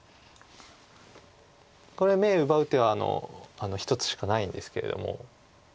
これ眼奪う手は１つしかないんですけれども。